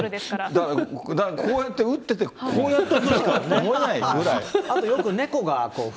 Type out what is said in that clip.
だから、こうやって打ってたら、こうやったとしか思えないぐらい。